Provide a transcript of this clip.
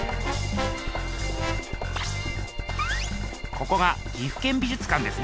ここが岐阜県美術館ですね。